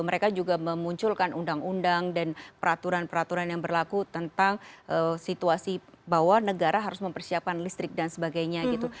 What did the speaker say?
mereka juga memunculkan undang undang dan peraturan peraturan yang berlaku tentang situasi bahwa negara harus mempersiapkan listrik dan sebagainya gitu